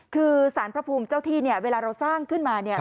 คือสารพระภูมิเจ้าที่เนี่ยเวลาเราสร้างขึ้นมาเนี่ย